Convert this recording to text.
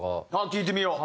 聞いてみよう！